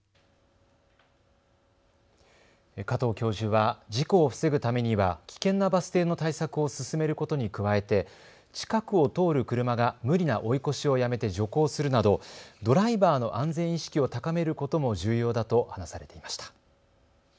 加藤教授は事故を防ぐためには危険なバス停の対策を進めることに加えて近くを通る車が無理な追い越しをやめて徐行するなどドライバーの安全意識を高めることも重要だと話されていました。